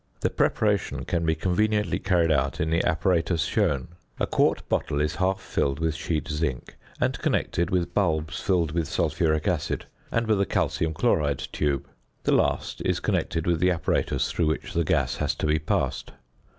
The preparation can be conveniently carried out in the apparatus shown (fig. 33). A quart bottle is half filled with sheet zinc, and connected with bulbs filled with sulphuric acid, and with a calcium chloride tube. The last is connected with the apparatus through which the gas has to be passed.